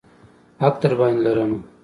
حق درباندې لرمه.